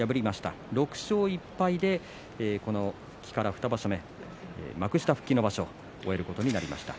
６勝１敗で復帰から２場所目幕下復帰の場所を終えることになりました。